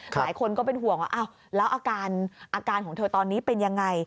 หลายคนก็เป็นห่วงว่าอ้าวแล้วอาการของเธอตอนนี้เป็นยังไง